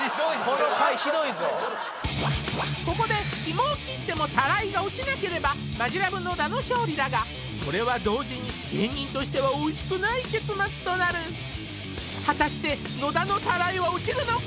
ここで紐を切ってもタライが落ちなければマヂラブ野田の勝利だがそれは同時に芸人としてはおいしくない結末となる果たして野田のタライは落ちるのか？